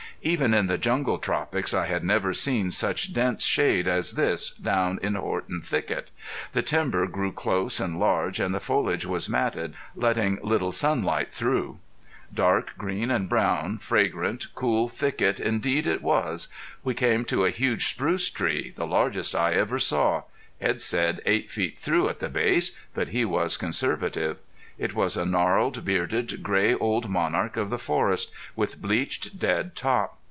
Even in the jungle tropics I had never seen such dense shade as this down in Horton Thicket. The timber grew close and large, and the foliage was matted, letting little sunlight through. Dark, green and brown, fragrant, cool thicket indeed it was. We came to a huge spruce tree, the largest I ever saw Edd said eight feet through at the base, but he was conservative. It was a gnarled, bearded, gray, old monarch of the forest, with bleached, dead top.